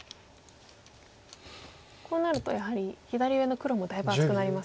こうなるとやはり左上の黒もだいぶ厚くなりますか。